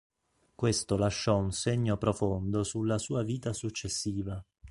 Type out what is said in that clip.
Questo lasciò un segno profondo sulla sua vita successiva.